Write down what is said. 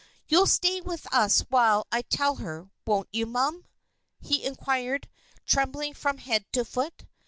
You'll stay with us while I tell her, won't you, mum?" he inquired, trembling from head to foot.